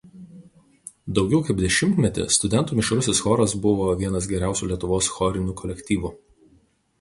Daugiau kaip dešimtmetį studentų mišrusis choras buvo vienas geriausių Lietuvos chorinių kolektyvų.